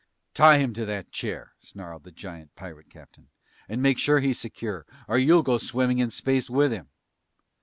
"Tie him to that chair," snarled the giant pirate captain. "And make sure he's secure, or you'll go swimming in space with him!"